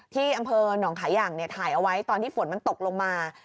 ที่อำเภอหนองขายอย่างถ่ายเอาไว้ตอนที่ฝนมันตกลงมา